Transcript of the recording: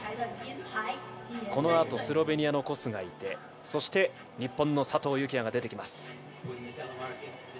このあとスロベニアのコスがいてそして日本の佐藤幸椰が出てきます。